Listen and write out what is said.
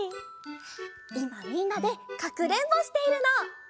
いまみんなでかくれんぼしているの。